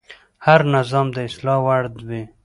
هر نظام د اصلاح وړ وي